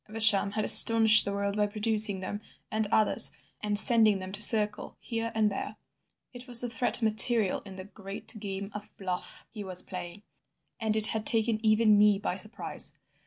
Evesham had astonished the world by producing them and others, and sending them to circle here and there. It was the threat material in the great game of bluff he was playing, and it had taken even me by surprise.